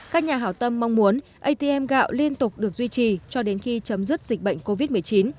các nhà hảo tâm mong muốn atm gạo liên tục được duy trì cho đến khi chấm dứt dịch bệnh covid một mươi chín